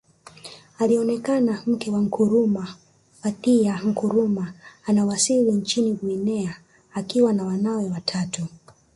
Alionekana mke wa Nkrumah Fathia Nkrumah anawasili nchini Guinea akiwa na wanawe watatu